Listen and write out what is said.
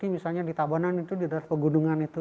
misalnya di tabanan itu di daerah pegundungan itu